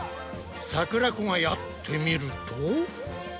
さくらこがやってみると。